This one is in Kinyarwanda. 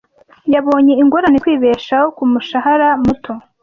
Yabonye ingorane zo kwibeshaho ku mushahara muto.